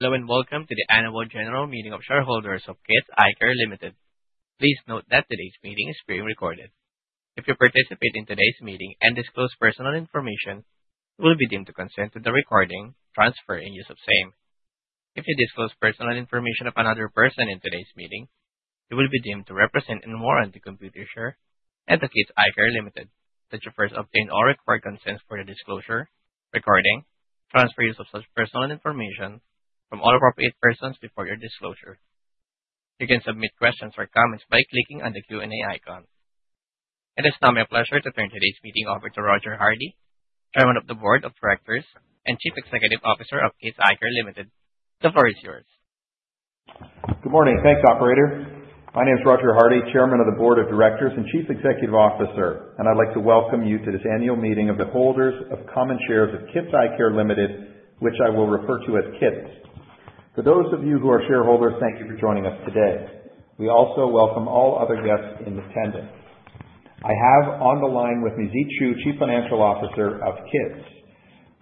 Hello and welcome to the Annual General Meeting of Shareholders of Kits Eyecare Ltd. Please note that today's meeting is being recorded. If you participate in today's meeting and disclose personal information, you will be deemed to consent to the recording, transfer, and use of same. If you disclose personal information of another person in today's meeting, you will be deemed to represent and warrant to Computershare and to Kits Eyecare Ltd that you first obtain all required consents for the disclosure, recording, transfer use of such personal information from all appropriate persons before your disclosure. You can submit questions or comments by clicking on the Q&A icon. It is now my pleasure to turn today's meeting over to Roger Hardy, Chairman of the Board of Directors and Chief Executive Officer of Kits Eyecare Ltd. The floor is yours. Good morning. Thanks operator. My name is Roger Hardy, Chairman of the Board of Directors and Chief Executive Officer, I'd like to welcome you to this annual meeting of the holders of common shares of Kits Eyecare Ltd, which I will refer to as Kits. For those of you who are shareholders, thank you for joining us today. We also welcome all other guests in attendance. I have on the line with me Zhe Choo, Chief Financial Officer of Kits.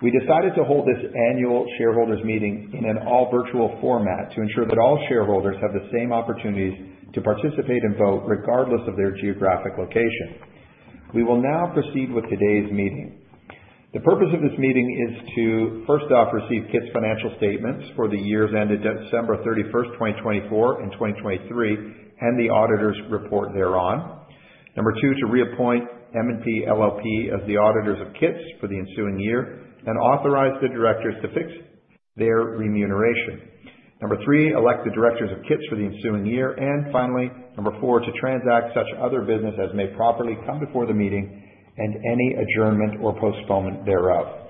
We decided to hold this annual shareholders meeting in an all virtual format to ensure that all shareholders have the same opportunities to participate and vote regardless of their geographic location. We will now proceed with today's meeting. The purpose of this meeting is to, first off, receive Kits financial statements for the years ended December 31st, 2024 and 2023, and the auditor's report thereon. Number two, to reappoint MNP LLP as the auditors of Kits for the ensuing year and authorize the directors to fix their remuneration. Number three, elect the directors of Kits for the ensuing year. Finally, number four, to transact such other business as may properly come before the meeting and any adjournment or postponement thereof.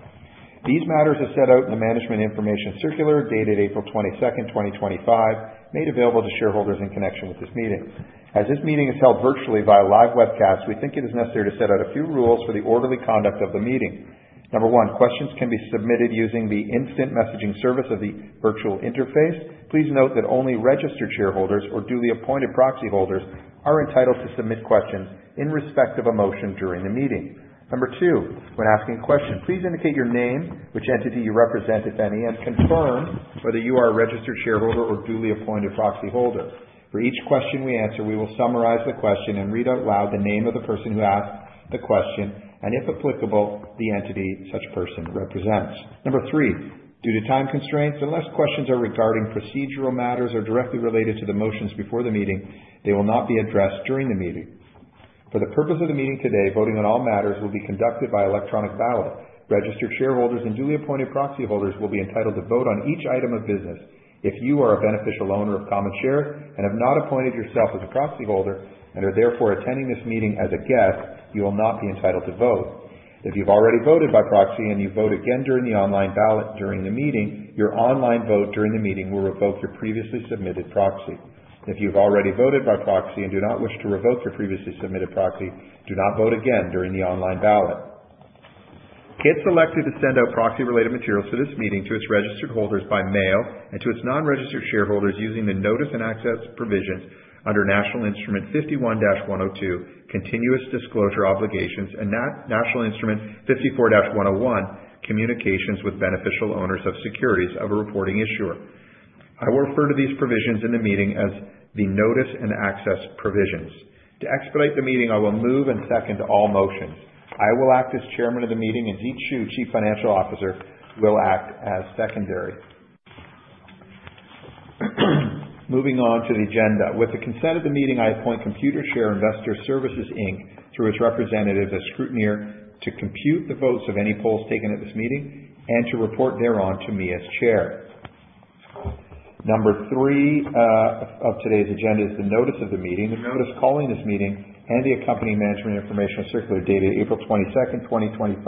These matters are set out in the Management Information Circular dated April 22th, 2025, made available to shareholders in connection with this meeting. This meeting is held virtually via live webcast, we think it is necessary to set out a few rules for the orderly conduct of the meeting. Number one, questions can be submitted using the instant messaging service of the virtual interface. Please note that only registered shareholders or duly appointed proxy holders are entitled to submit questions in respect of a motion during the meeting. Number two, when asking a question, please indicate your name, which entity you represent, if any, and confirm whether you are a registered shareholder or duly appointed proxy holder. For each question we answer, we will summarize the question and read out loud the name of the person who asked the question and, if applicable, the entity such person represents. Number three, due to time constraints, unless questions are regarding procedural matters or directly related to the motions before the meeting, they will not be addressed during the meeting. For the purpose of the meeting today, voting on all matters will be conducted by electronic ballot. Registered shareholders and duly appointed proxy holders will be entitled to vote on each item of business. If you are a beneficial owner of common shares and have not appointed yourself as a proxy holder and are therefore attending this meeting as a guest, you will not be entitled to vote. If you've already voted by proxy and you vote again during the online ballot during the meeting, your online vote during the meeting will revoke your previously submitted proxy. If you've already voted by proxy and do not wish to revoke your previously submitted proxy, do not vote again during the online ballot. Kits elected to send out proxy-related materials to this meeting to its registered holders by mail and to its non-registered shareholders using the notice-and-access provisions under National Instrument 51-102, Continuous Disclosure Obligations, and National Instrument 54-101, Communications with Beneficial Owners of Securities of a Reporting Issuer. I will refer to these provisions in the meeting as the notice-and-access provisions. To expedite the meeting, I will move and second all motions. I will act as Chairman of the meeting and Zhe Choo, Chief Financial Officer, will act as secondary. Moving on to the agenda. With the consent of the meeting, I appoint Computershare Investor Services Inc through its representative, as scrutineer, to compute the votes of any polls taken at this meeting and to report thereon to me as chair. Number three of today's agenda is the notice of the meeting. The notice calling this meeting and the accompanying Management Information Circular dated April 22nd, 2025,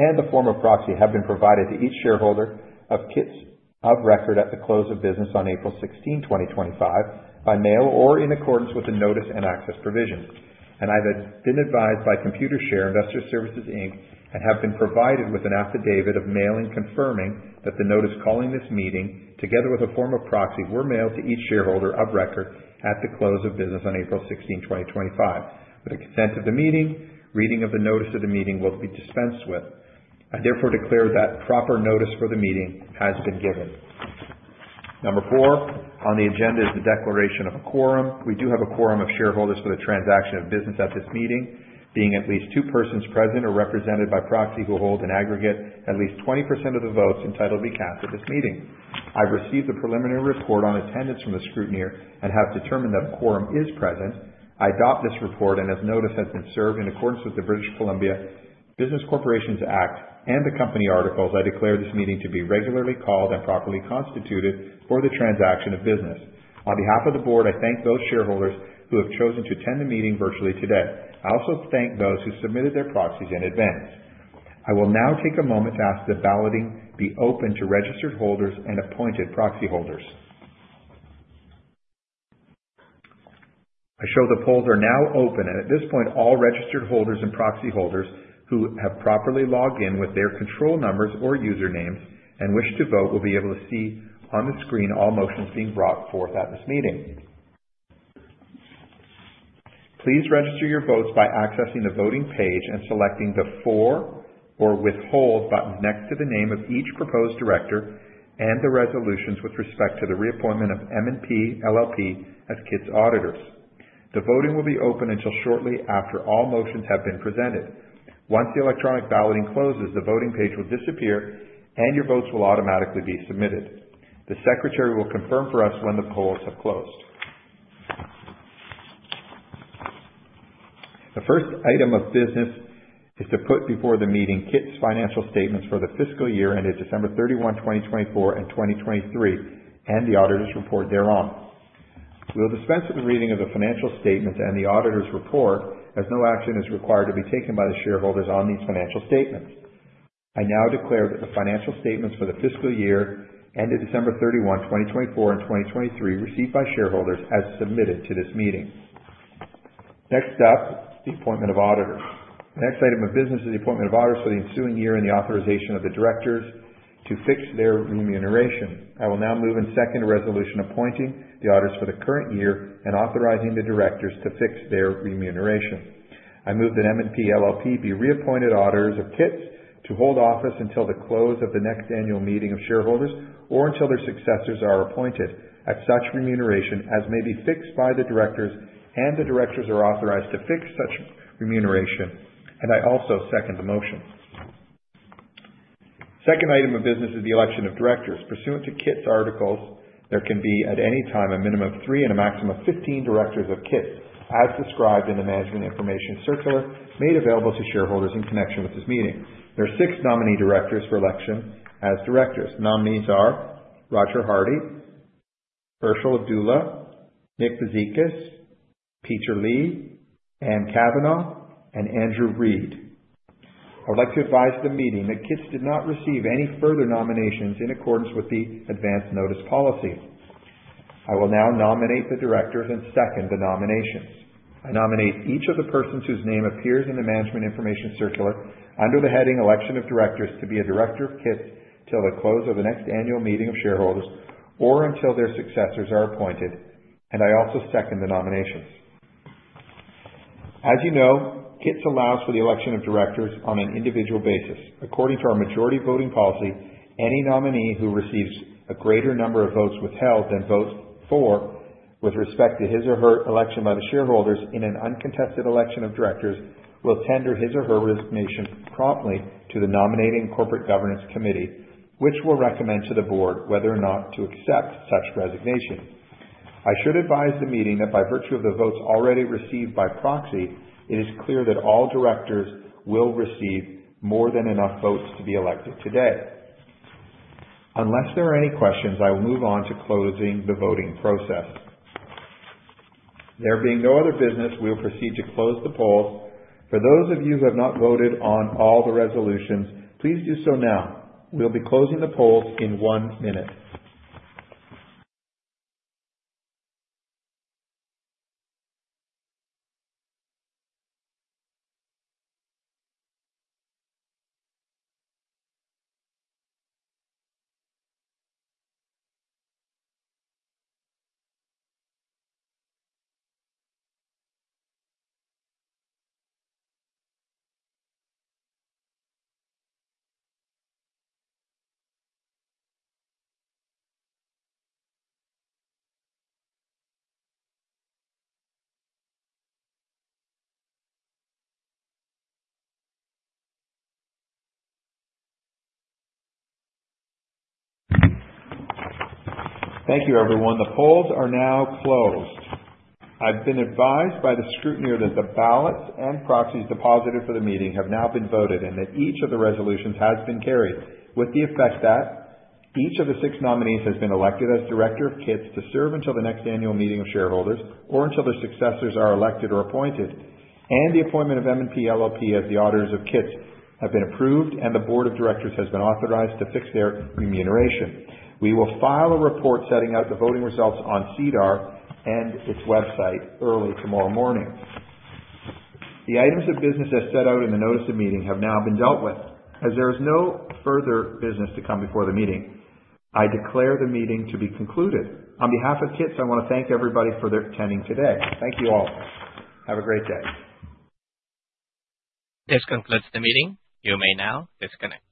and the form of proxy have been provided to each shareholder of Kits of record at the close of business on April 16th, 2025 by mail or in accordance with the notice-and-access provision. I've been advised by Computershare Investor Services Inc and have been provided with an affidavit of mailing confirming that the notice calling this meeting, together with a form of proxy, were mailed to each shareholder of record at the close of business on April 16th, 2025. With the consent of the meeting, reading of the notice of the meeting will be dispensed with. I therefore declare that proper notice for the meeting has been given. Number four on the agenda is the declaration of a quorum. We do have a quorum of shareholders for the transaction of business at this meeting, being at least two persons present or represented by proxy, who hold in aggregate at least 20% of the votes entitled to be cast at this meeting. I've received the preliminary report on attendance from the scrutineer and have determined that a quorum is present. I adopt this report. If notice has been served in accordance with the British Columbia Business Corporations Act and the company articles, I declare this meeting to be regularly called and properly constituted for the transaction of business. On behalf of the board, I thank those shareholders who have chosen to attend the meeting virtually today. I also thank those who submitted their proxies in advance. I will now take a moment to ask the balloting be opened to registered holders and appointed proxy holders. I show the polls are now open. At this point, all registered holders and proxy holders who have properly logged in with their control numbers or usernames and wish to vote, will be able to see on the screen all motions being brought forth at this meeting. Please register your votes by accessing the voting page and selecting the for or withhold button next to the name of each proposed director and the resolutions with respect to the reappointment of MNP LLP as Kits auditors. The voting will be open until shortly after all motions have been presented. Once the electronic balloting closes, the voting page will disappear and your votes will automatically be submitted. The secretary will confirm for us when the polls have closed. The first item of business is to put before the meeting Kits financial statements for the fiscal year ended December 31st, 2024 and 2023, and the auditor's report thereon. We'll dispense with the reading of the financial statements and the auditor's report, as no action is required to be taken by the shareholders on these financial statements. I now declare that the financial statements for the fiscal year ended December 31st, 2024 and 2023 received by shareholders as submitted to this meeting. Next up, the appointment of auditors. The next item of business is the appointment of auditors for the ensuing year and the authorization of the directors to fix their remuneration. I will now move and second a resolution appointing the auditors for the current year and authorizing the directors to fix their remuneration. I move that MNP LLP be reappointed auditors of Kits to hold office until the close of the next annual meeting of shareholders, or until their successors are appointed at such remuneration as may be fixed by the directors and the directors are authorized to fix such remuneration. I also second the motion. Second item of business is the election of directors. Pursuant to Kits' articles, there can be, at any time, a minimum of three and a maximum of 15 directors of Kits, as described in the Management Information Circular made available to shareholders in connection with this meeting. There are six nominee directors for election as directors. Nominees are Roger Hardy, Arshil Abdulla, Nick Bozikis, Peter Lee, Anne Kavanagh, and Andrew Reid. I would like to advise the meeting that Kits did not receive any further nominations in accordance with the Advance Notice Policy. I will now nominate the directors and second the nominations. I nominate each of the persons whose name appears in the Management Information Circular under the heading Election of Directors to be a director of Kits till the close of the next annual meeting of shareholders or until their successors are appointed. I also second the nominations. As you know, Kits allows for the election of directors on an individual basis. According to our majority voting policy, any nominee who receives a greater number of votes withheld than votes for with respect to his or her election by the shareholders in an uncontested election of directors will tender his or her resignation promptly to the Nominating and Corporate Governance Committee, which will recommend to the board whether or not to accept such resignation. I should advise the meeting that by virtue of the votes already received by proxy, it is clear that all directors will receive more than enough votes to be elected today. Unless there are any questions, I will move on to closing the voting process. There being no other business, we will proceed to close the polls. For those of you who have not voted on all the resolutions, please do so now. We'll be closing the polls in one minute. Thank you everyone. The polls are now closed. I've been advised by the scrutineer that the ballots and proxies deposited for the meeting have now been voted, and that each of the resolutions has been carried with the effect that each of the six nominees has been elected as director of Kits to serve until the next annual meeting of shareholders or until their successors are elected or appointed. The appointment of MNP LLP as the auditors of Kits have been approved and the board of directors has been authorized to fix their remuneration. We will file a report setting out the voting results on SEDAR+ and its website early tomorrow morning. The items of business as set out in the notice of meeting have now been dealt with. As there is no further business to come before the meeting, I declare the meeting to be concluded. On behalf of Kits, I want to thank everybody for their attending today. Thank you all. Have a great day. This concludes the meeting. You may now disconnect.